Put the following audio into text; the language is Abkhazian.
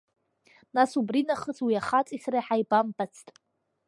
Нас, убри нахыс уи ахаҵеи сареи ҳамбамбацт.